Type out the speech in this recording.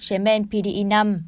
chế men pde năm